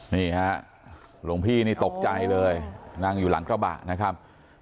นี่ฮะหลวงพี่นี่ตกใจเลยนั่งอยู่หลังกระบะนะครับ